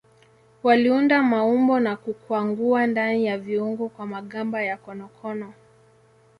Waliunda maumbo na kukwangua ndani ya viungu kwa magamba ya konokono.